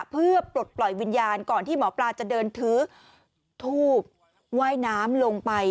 เพื่อปลดปล่อยวิญญาณก่อนที่หมอปลาจะเดินถือทูบว่ายน้ำลงไป